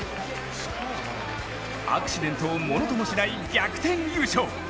アクシデントをものともしない逆転優勝。